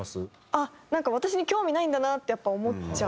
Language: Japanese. あっなんか私に興味ないんだなってやっぱ思っちゃう。